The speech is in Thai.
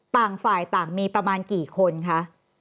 ต่างฝ่ายต่างมีประมาณกี่คนคะ